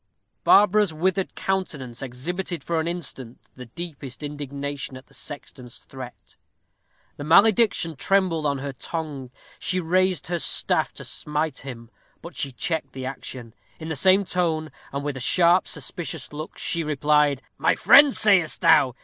Barbara's withered countenance exhibited for an instant the deepest indignation at the sexton's threat. The malediction trembled on her tongue; she raised her staff to smite him, but she checked the action. In the same tone, and with a sharp, suspicious look, she replied, "My friend, sayest thou?